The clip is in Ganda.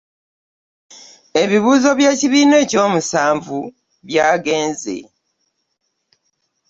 Ebibuuzo byekibiina ekyomusanvu byagenze.